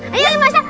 masal duduk di situ